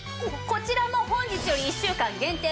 こちらも本日より１週間限定。